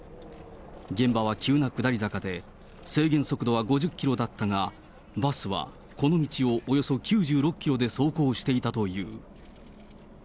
現場は急な下り坂で、制限速度は５０キロだったが、バスはこの道をおよそ９６キロで走行していたという。